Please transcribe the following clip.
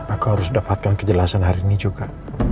aku harus dapatkan kejelasan hari ini juga